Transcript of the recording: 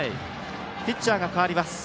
ピッチャーが代わります。